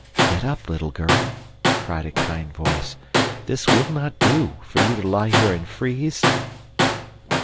"Get up, little girl!" cried a kind voice. "This will not do, for you to lie here and freeze."